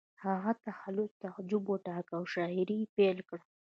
هغه تخلص تعجب وټاکه او شاعري یې پیل کړه